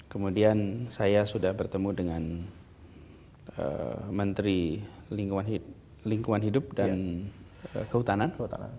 kemudian saya sudah bertemu dengan menteri lingkungan hidup dan kehutanan